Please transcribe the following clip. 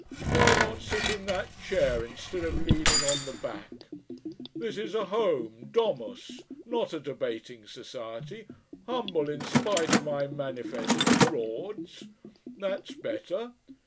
Why not sit in that chair instead of leaning on the back? This is a home domus not a debating society humble in spite of my manifest frauds.... That's better.